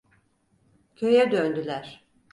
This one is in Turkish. Köye döndüler.